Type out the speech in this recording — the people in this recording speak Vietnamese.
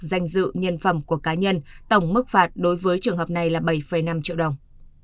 danh dự nhân phẩm của cá nhân tổng mức phạt đối với trường hợp này là bảy năm triệu đồng